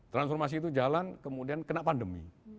transformasi itu jalan kemudian kena pandemi